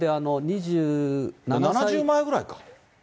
７０前ぐらいか。